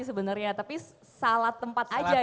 sebenarnya tapi salah tempat aja ya